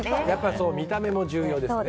見た目も重要ですね。